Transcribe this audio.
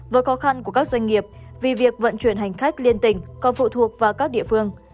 với khó khăn của các doanh nghiệp vì việc vận chuyển hành khách liên tỉnh còn phụ thuộc vào các địa phương